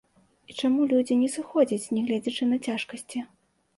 І чаму людзі не сыходзяць, нягледзячы на цяжкасці?